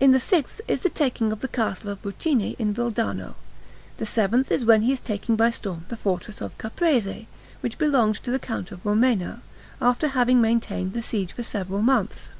In the sixth is the taking of the Castle of Bucine in Valdarno. The seventh is when he is taking by storm the fortress of Caprese, which belonged to the Count of Romena, after having maintained the siege for several months.